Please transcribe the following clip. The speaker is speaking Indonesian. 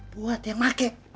buat yang make